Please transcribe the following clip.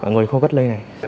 người khu cách ly này